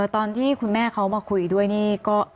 ตอนที่คุณแม่เขามาคุยด้วยนี่ก็